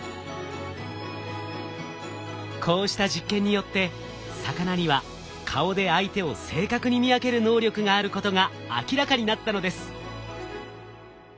こうした実験によって魚には顔で相手を正確に見分ける能力があることが明らかになったのです。